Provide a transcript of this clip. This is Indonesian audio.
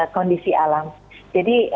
kondisi alam jadi